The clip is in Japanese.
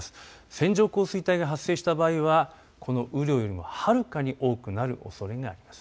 線状降水帯が発生した場合はこの雨量よりもはるかに多くなるおそれがあります。